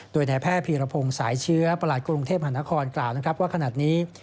โดยในแพร่พีระพงศ์สายเชื้อประหลาดกรุงเทพฯมหานครกล่าวว่าขนาดนี้